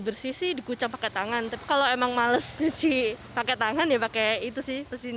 bersih sih dikucap pakai tangan tapi kalau emang males cuci pakai tangan ya pakai itu sih